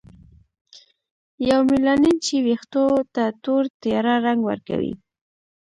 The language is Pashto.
یومیلانین چې ویښتو ته تور تیاره رنګ ورکوي.